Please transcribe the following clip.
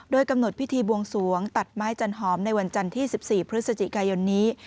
โดยกำหนดพิธีบวงสวงตัดไม้จันหอมในวันจันทร์ที่๑๔พฤศจิกายนนี้